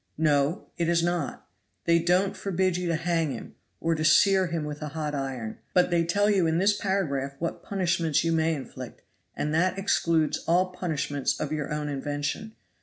"No! it is not. They don't forbid you to hang him, or to sear him with a hot iron, but they tell you in this paragraph what punishments you may inflict, and that excludes all punishments of your own invention.